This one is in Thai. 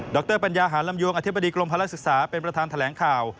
รปัญญาหารลำยวงอธิบดีกรมภาระศึกษาเป็นประธานแถลงข่าว